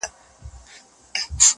• جهاني هلته مي شکمن پر خپله مینه سمه -